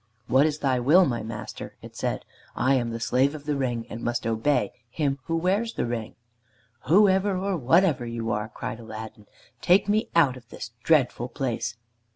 "What is thy will, my master?" it said. "I am the Slave of the Ring, and must obey him who wears the ring." "Whoever or whatever you are," cried Aladdin, "take me out of this dreadful place."